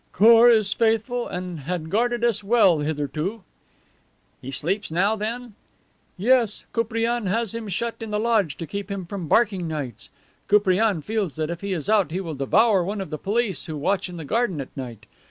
"Khor is faithful and had guarded us well hitherto." "He sleeps now, then?" "Yes. Koupriane has him shut in the lodge to keep him from barking nights. Koupriane fears that if he is out he will devour one of the police who watch in the garden at night.